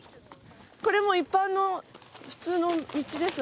これも一般の普通の道ですもんね。